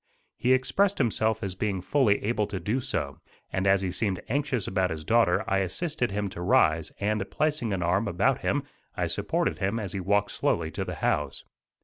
He expressed himself as being fully able to do so, and as he seemed anxious about his daughter I assisted him to rise; and, placing an arm about him I supported him as he walked slowly to the house.